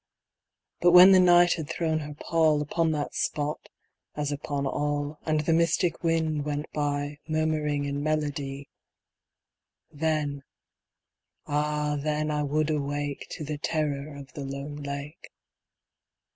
But when the Night had thrown her pall Upon that spot, as upon all, And the mystic wind went by Murmuring in melody— Then—ah then I would awake To the terror of the lone lake.